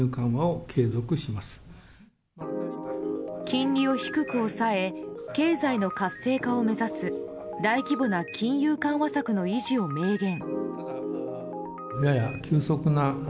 金利を低く抑え経済の活性化を目指す大規模な金融緩和策の維持を明言。